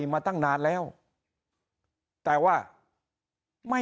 สวัสดีครับท่านผู้ชมครับสวัสดีครับท่านผู้ชมครับ